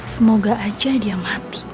semoga aja dia mati